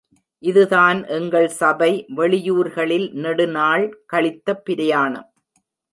இதுதான் எங்கள் சபை வெளியூர்களில் நெடுநாள் கழித்த பிரயாணம்.